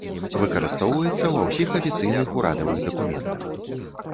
Выкарыстоўваецца ва ўсіх афіцыйных урадавых дакументах.